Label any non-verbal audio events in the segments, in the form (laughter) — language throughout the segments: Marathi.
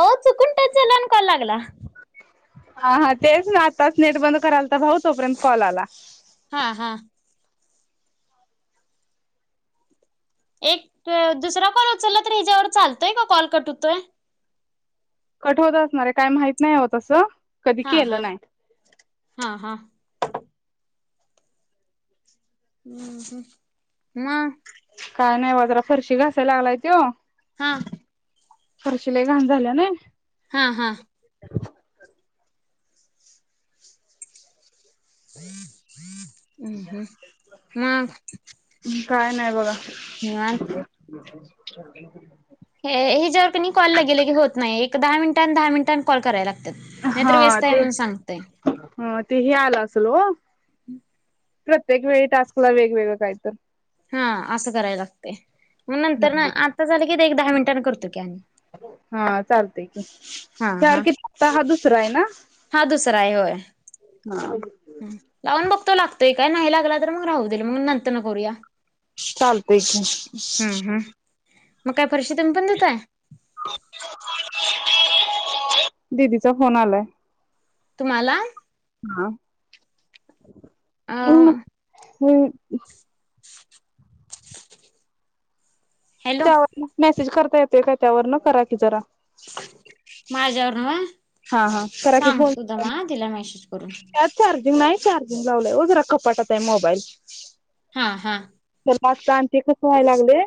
आहो चुकून टच झाल आणि कॉल लागला. हा हा तेच ना आताच नेट बंद कराल त भाऊ तोपर्यंत कॉल आला. हा हा एक दुसरा कॉल उचलला तर ह्याच्यावर चालतोय का कॉल कट होतोय. कठोत असणारे काय माहित नाही आहो तसं. कधी हा हा केलं नाही. हा हा. हम् हम् म. काय नाही ओ जरा फरशी घासायला लागलाय तो. हा फरशि लई घाण झालीया नाही. हा हा. (inaudible) हम् हम् मग. काय नाही बघा. (unintelligible) हेज्यावर कणी कॉल लगे- लगे होत नाही. दहा मिनटान दहा मिनटान कॉल कराला हा ते ह ते हे आलं आसल वो. प्रत्येक वेळी टास्कला वेगवेगळं कायतर. हा असं कराय लागतय. नंतर न आता झाल दहा मिनटान करतो की आणि. हा चालतय की. हा हा चार की फक्त हा दुसरा आहे ना? हा दुसरा आहे होय. हा. ते काय नाही लागला तर मग राहूदेल मग नंतर न करूया. चालतय की. हम्म हम्म मग काय. फरशी तुम्ही पण धुताय? दिदीचा फोन आलाय. तुम्हाला? हां. (unintelligible) अ हम् हॅलो त्या वरण मॅसेज करता येतोय काय त्यावरन? करा की जरा. (inaudible) माझ्या वरण होय? हा. हा करा की फोन. मेसेज करून (unintelligible) नाही चार्जिंग लावलंय जरा वो. कपाटात आहे मोबाईल. हां, हां. आसं आणि ते कस व्हाय लागलय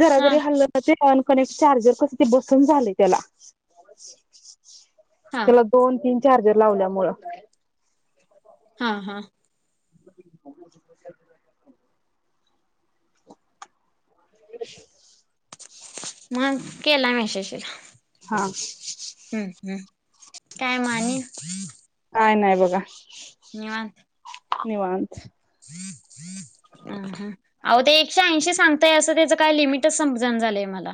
जरा हा जरी हाल्ल ना ते ऑन कनेक्ट चार्जर कस ते बसना झालय तेला. हा त्याला दोन-तीन चार्जर लावल्यामुळ. हां, हां. (inaudible) (inaudible) मगं केला मॅसेज तिला. हा. हम्म हम्म काय म आणि? काय नाही बघा. निवांत. निवाांत. अहो ते एकशे-ऐंशी सांगताय. असं त्याच काय लिमिटच समजणं झालंय मला.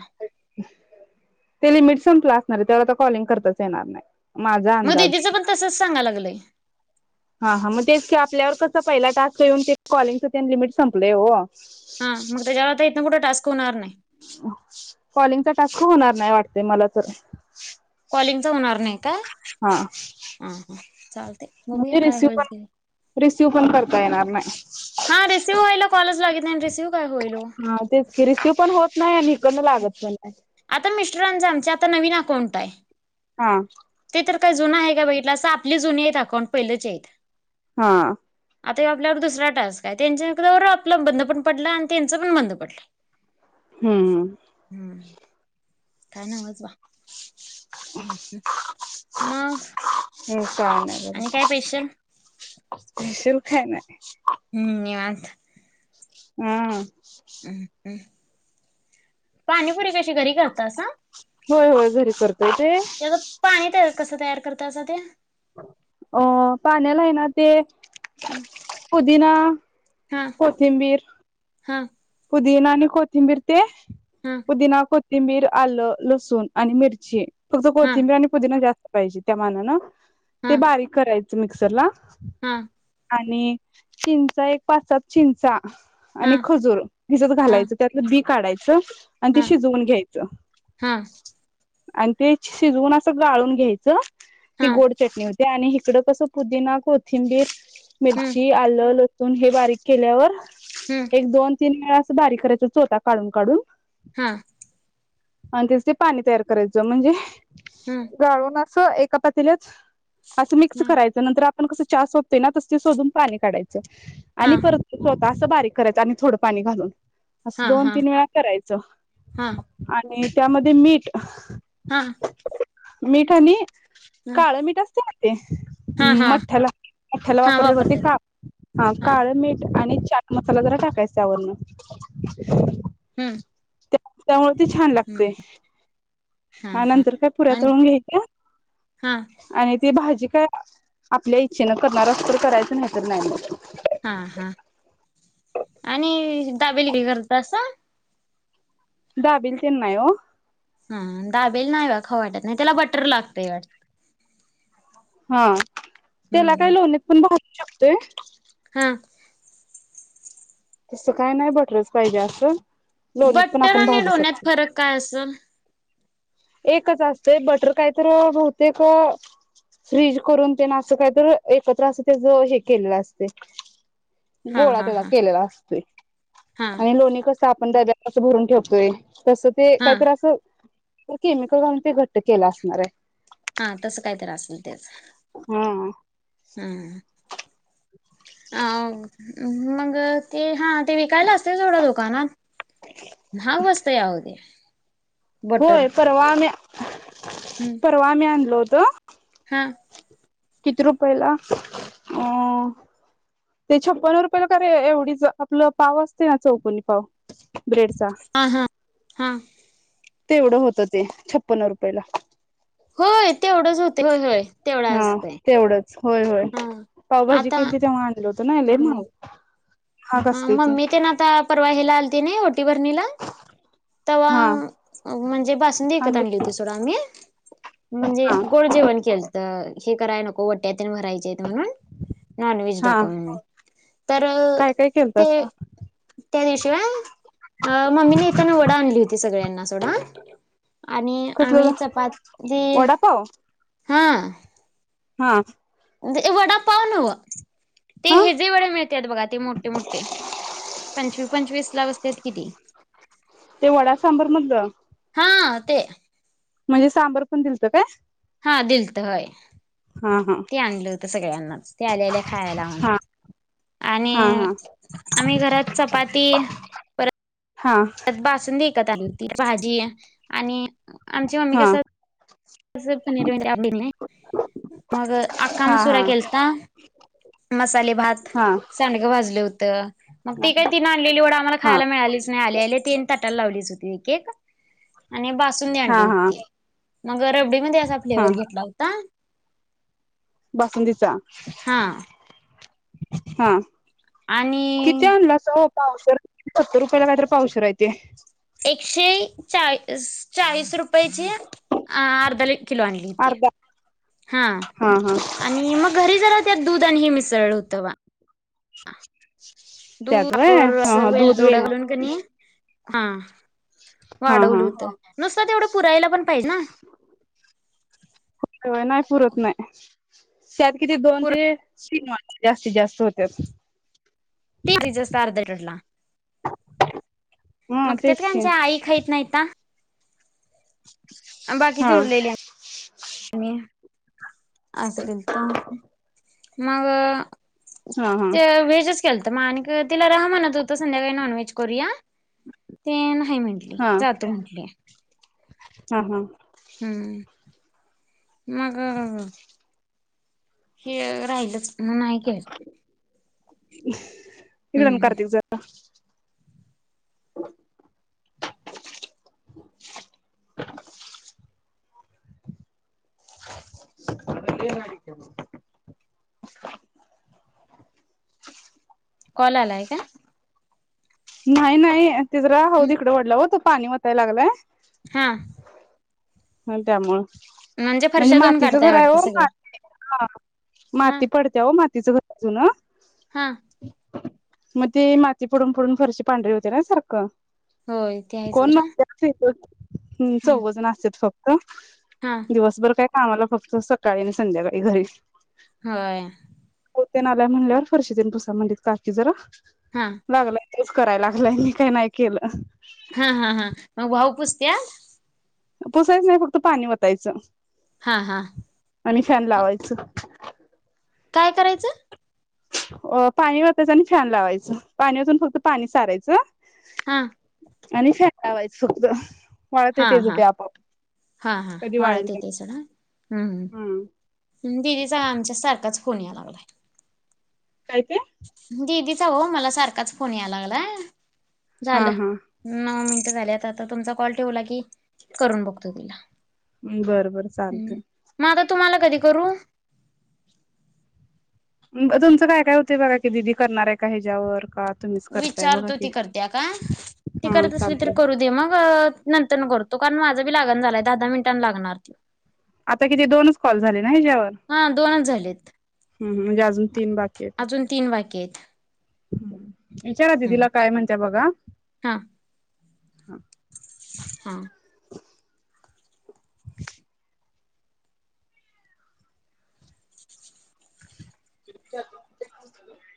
ते लिमिट संपलं असणार आहे. तेव्हा आता कॉलिंग करताच येणार नाही. माझा मग अंदाज दीदीचं पण तसच सांगयला लागलं. लय. हा. हा. मग तेच की आपल्यावर कस पहिला टास्क येऊन ते कॉलिंगच तेन लिमिट संपलंय हो. हा मग त्याच्यावर इतन पुढं टास्क होणार नाही. कॉलिंग कर टख होणार नाही वाटते मला तर कॉलिंगच होणार नाही काय हा हा हा चालतय बघूया म्हणजे काय रिसिव होईल पण ते रिसिव पण करता येणार नाही हा रिसिव व्हयाला कॉलच लागित नाही आणि रिसिव काय होईल वो तेन लागत पण नाही आता मिस्टरांच आमच्या आता नवीन अकाउंट आहे हा ते तर काय जुनं आहे का बघितलाअस आपली जुनी आहेत अकाउंट पहिलेच आहेत हा आता आपल्यावर दुसरा टास्क आहे त्यांचं बंद आपलं पण बंद पडला आणि त्यांच पण बंद पडलं हम्म हमम हम्म काय नवंच बा म हम् काय नाही बघा स्पेशल काय नाही हम्म निवांत हम् हम् हम् पाणीपुरी कशी घरी करतासा होय होय घरी करते त्याच पाणी कस तयार करतासा ते अ पाण्याला आहे ना ते ह (inaudible) पुदिना कोथिंबीर हां पुदीिना आणि कोथिंबीर ते हा पुदिना को तिंबीर आलं लसूण आणि मिरची फक्त हा कोथिंबी आणि पुदीिना जास्त पाहिजे त्या मना ना हा ते बारीक करायचं मिक्सरला. हा आणि चिंचा एक पाच सात चिंचा आणि हा खजुर. त्याच्यात हा घालायचं त्याच बी काढाय च आणि ते हा शिजवून घ्यायचं. हा आणि ते शिजवून असं गाळून घ्यायचं. ती हा गोड चटणी होती. ते आणि इकडं कसं पुदिना, कोथिंबीर हम्म मिरची, आलं, लसूण हे बारीक केल्यावर हम्म एक दोन तीन वेळा असं बारीक करायच चोथा काढून -काढून हा. आणि त्यास ते पाणी तयार करायचं, म्हणजे हम्म गाळून सो एका पतील्यात असं मिक्स हा करायच, नंतर आप पण कसं चहा शोधतंय ना तस ते शोधून पाणी काढायचं. हा आणि परत चोथ असं बारीक करायं आणि थोडं पाणी घालून. असं हा दोन हा तीन वेळा करायचं हा आणि त्यामध्ये मीठ हा. मीठानी काळे मीठ असतय ना. ते. हा हा मठ्ठयाला- मठ्ठयाला हा वापरता बघा ते वापरतात का हा काळ मीठ आणि चाट मसाला जरा टाकायचा. त्यावरण. हम्म. त्यामुळ छान लागतय हम्म हा हा नंतर काय पुऱ्या आणि तळून घ्यायच्या, हा आणि ते भाजी काय आपल्या इच्छेनं करणार अस तर करायचं नाही तर नाही हा हा आणि दाबेली काय करत असं दाबेली ते नाही हो हा दाबेली नाही बा खाऊ वाटत नाही त्याला बटर लागतय वाटत हम्म त्याला काय हम्म लोणी पण शकतोय हा तसं काय नाही बटरच पाहिजे असं लोणीत पण बट्टर आपण आणि भाजू लोण्यात शकतो फरक काय असेल एकच असते बटर काहीतर बहुतेक फ्रीज करून ते ना असं काहीत एकत्र असं त्याच हे केलेलं असते हा गोळा हा त्याचा हा केलेला असतोय हा (inaudible) आणि लोणी कस आपण त्याच्यात कसं भरून ठेवतोय तसं ते हा काहीतर असं केमिकल घालून ते घट्ट केला असणार आहे हा तस कायतर असल आहे हा हम्म आ हो मग ते हा ते विकायला असते थोडं दुकानात महाग बसतया हो ते बटर होय परवा आम्ही हम्म परवा आम्ही आणलो होतो. तर हा किती रुपयला अ ते छप्पन्न रुपयाला का एवढीच आपलं पाव असते ना चौकनी पाव ब्रेडचा हा हा हा तेवढं होतं ते छप्पन्न रुपयेला होय तेवढंच होत होय होय तेवढा हा असतय तेवढंच होय होय पावभाजी केलती तेव्हा. तसं नाही आलेत मउ ह मम्मी तेन आता परवा हेला आलती नाही ओटी भरणीला तव्हा हा म्हणजे बासुंदी विकत आणली होती सोड आम्ही म्हणजे हा गोड जेवण केल तर हे कराय नको वट्या तेन भरायचे आहेत म्हणून नॉन व्हेज हा नको म्हणलं काय काय ते केलतासा त्या दिवशी ना मम्मीने येताना वडा आणली होती सगळ्यांसाठी सोडा आणि आम्ही कसलं चपाती हां हां ते वडा पाव नव्ह ते हा हे जे वडे मिळतात बघा ते मोठे मोठे पंचवी पंचवीस लाव असते ती ते वडा सांबर मधलं हा ते म्हणजे सांबर पण दिलतं काय हा दिलत होय हा ते आणलं होत सगळ्यांनाच ते आलेल्या खायला म्हण हा आणि हा हा आम्ही घरात चपाती हा त बासुंदी विकत आणली होती भाजी आणि आमची मम्मी हा कसं मी म्हणल मला पनीर आवडत नाही मग आका हा हा मसुरा केलाता मसाले भात हा सांडगं भाजले होतं मग हा ती काही तीन आणलेली वड आम्हाला हा खायला मिळालीच नाही. आली ती ताटात लावलीच होती केक आणि बासुंदी हा आणली हा होती मग रबडीमध्ये असा फ्लेवर्हर घेतला होता बसंलीस चा हा हा आणि किती आणलासा ओ पावशेर सत्तर रुपयाला कायत पावशेर आहे ते एकशे चाळीस रुपये चे अर्धा किलो आणली होती अर्धा हा आणि मग घरी जरा त्यात दूध आणि हे मिसळलं होतं त्यात व्हय दूकर अस हा हा वेल दूध दोडा घालून कनाय हा हा हा वाढवलं होत. नुसत तेवढं पुरायला पण पाहिजे ना? होय नाही पुरत नाही. (inaudible) त्यात किती दोन पुर ते तीन वाट्या जास्तीत जास्त होतच ते जास्त अर्ध लीटरला हा मग त्यात तेच काय की आमच्या आई खाहीत नाही ना. बाकीच हा उरलेल्या आणि असं केलतं. मग? हा हा ते व्हेज च केलतं म आणि तिला राहा म्हणत होतं, संध्याकाळी नॉनव्हेज करूया ते नाही म्हंटली हा जातो म्हंटली. हा हा. हम्म मग हे राहिल च. मग नाही केलं. (inaudible) हिकडं आण हम्म कार्तिक जरा (inaudible) (inaudible) कॉल आलाय का? नाही नाही. ति जरा हौद इकडे वडला, हो तो पाणी वताय लागलंय हा. हो त्यामुळ (unintelligible) म्हणजे फरशा धुवून मातीचं काढताय घर आहे वाटतं हो सगळ्या हा माती पडत्या ओ माती तिचं घर जुनं हा. मग ते माती पडून, पडून फरशी पांढरी होते ना सारखं. होय तेे आहेस खर. (unintelligible) हम्म चौवघ जण असे फक्त हा दिवस बर काय! आम्हाला फक्त सकाळी आणि संध्याकाळी घरी - होय होते ना आल्याय म्हणल्यावर फरशीन पुसा म्हणत काकी जरा! हा लागलाय - तेच करायला लागलंय मी काय नाही केलं. हां हां हां मग भाऊ पुस्त त्याल पुसायच नाही फक्त पाणी वत! उठायचं हा हा - आणि फॅन लावायच. काय करायचं. अ पाणी ओतायच आणि फॅन लावायचं पाणी ओतून फक्त पाणी सारायचं - हां आणि फॅन लावायचं फक्तं - हां हां हां हां कधी वाळेल वाळत ते सोडा आ हम्म दिदीच्या आमच्यात सारखाच! कोन यायलागलाय - काय ते - दीदीचा हो मला सारखाच फोन यायला लागला. हा झालं हा नऊ - झाल्यात आता तुमचा कॉल ठेवला की करून बघतो तिला! बरं बरं हम्म चालतंय मग आता तुम्हाला कधी करू! तुमचं -तुमचं काय- काय होत काय बघा की दिदी करणार आहे का ह्याच्यावर का. तुम्हीच करताय बघा विचारतो की ती करत्या का ती हा करत असली तर चालतंय करू दे मग नंतर करतो. तो कारण माझा बी लागण झालाय दहा दहा मिनटांन लागणार ती! आता किती, दोनच कॉल झाले ना, हच्यावर? हा दोनच झालेत हम, म्हणजे अजून- तीन बाकीे हेत. केत- विचारा दिदीला. काय म्हणते बघा. हा (unintelligible) हा. (unintelligible) (unintelligible)